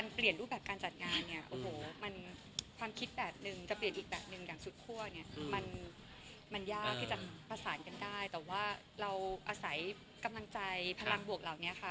ที่จะประสานกันได้แต่ว่าเราอาศัยกำลังใจพลังบวกเหล่านี้ค่ะ